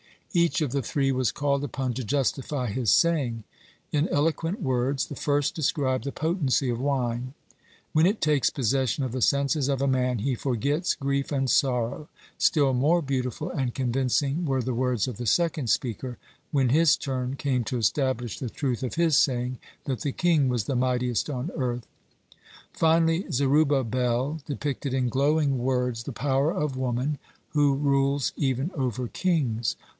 Each of the three was called upon to justify his saying. In eloquent words the first described the potency of wine. When it takes possession of the senses of a man, he forgets grief and sorrow. Still more beautiful and convincing were the words of the second speaker, when his turn came to establish the truth of his saying, that the king was the mightiest on earth. Finally Zerubbabel depicted in glowing words the power of woman, who rules even over kings.